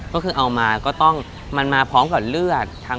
ก็คือเอามาก็ต้องมันมาพร้อมกับเลือด